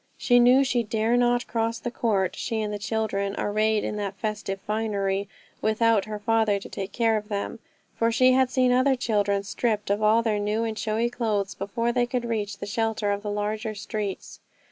She knew that she dare not cross the court, she and the children, arrayed in the festive finery, without her father to take care of them; for she had seen other children stripped of all their new and showy clothes before they could reach the shelter of the larger streets.